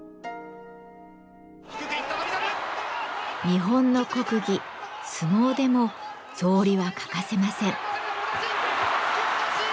日本の国技相撲でも草履は欠かせません。